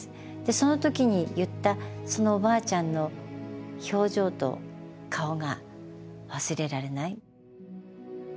その時に言ったそのおばあちゃんの表情と顔が忘れられない。